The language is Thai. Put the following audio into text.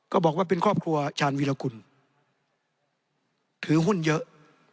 บอกว่าเป็นครอบครัวชาญวิรากุลถือหุ้นเยอะ